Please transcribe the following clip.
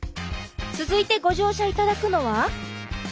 続いてご乗車頂くのは？